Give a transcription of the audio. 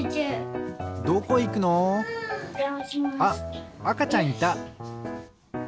あっあかちゃんいた。